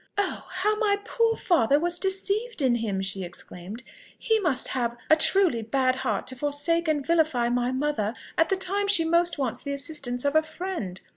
"Oh! how my poor father was deceived in him!" she exclaimed. "He must have a truly bad heart to forsake and vilify my mother at the time she most wants the assistance of a friend.